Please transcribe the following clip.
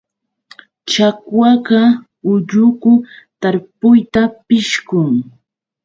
Chakwaqa ulluku tarpuyta pishqun.